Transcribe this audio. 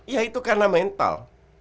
ya itu karena mental